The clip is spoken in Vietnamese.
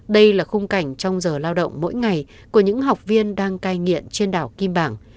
đây là khung cảnh trong giờ lao động mỗi ngày của những học viên đang cai nghiện trên đảo kim bảng